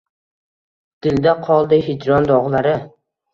Dilda qoldi hijron dog’lari…